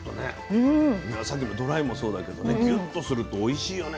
さっきのドライもそうだけどねギュッとするとおいしいよね。